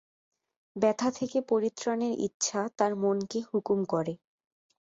ব্যথা থেকে পরিত্রাণের ইচ্ছা তার মনকে হুকুম করে।